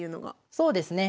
そうですね。